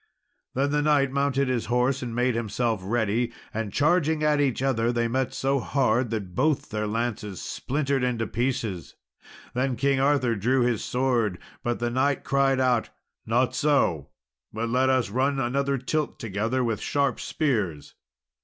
Then the knight mounted his horse and made himself ready, and charging at each other they met so hard that both their lances splintered into pieces. Then King Arthur drew his sword, but the knight cried out, "Not so; but let us run another tilt together with sharp spears."